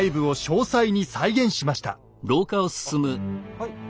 はい。